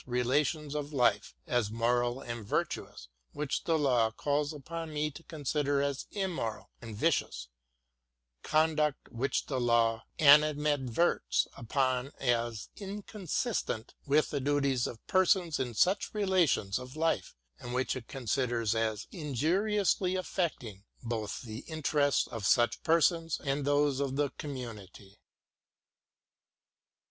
relations of life as moral and virtuous which the law calls upon me to consider as immoral and vicious — conduct which the law animadverts upon as inconsistent with the duties of persons in such relations of life and which it considers as injuriously affecting both the interests of such persons and those of the community.